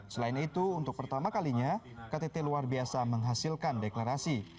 selain itu untuk pertama kalinya ktt luar biasa menghasilkan deklarasi